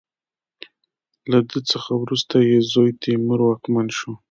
له ده څخه وروسته یې زوی تیمور واکمن شو.